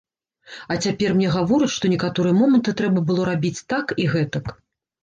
А цяпер мне гавораць, што некаторыя моманты трэба было рабіць так і гэтак.